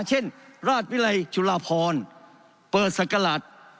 เช่นราชวิรัยจุฬาพรเปิดศักราช